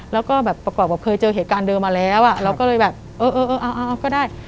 แล้วก็แบบประกอบกับเคยเจอเหตุการณ์เดิมมาแล้วอ่ะเราก็เลยแบบเออเออเอาก็ได้